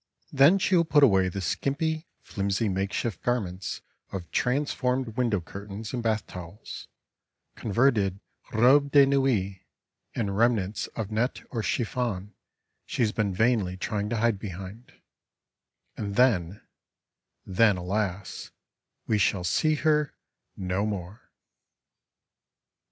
Then she will put away the skimpy, flimsy makeshift garments of transformed window curtains and bath towels, converted robes de nuit and remnants of net or chiffon she has been vainly trying to hide behind—and then—then alas, we shall see her no more!